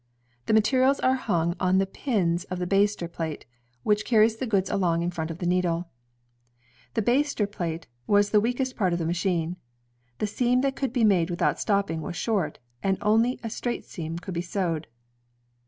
The materials are hung on the pins of the baster plate, which carries the goods along in front of the needle. THE ratST HOWE SEWING UACEINE The baster plate was the weakest part of the machine. The seam that could be made without stopping was short, aocf only straight seams could be sewed.